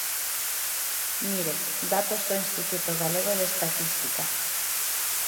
Mire, datos do Instituto Galego de Estatística.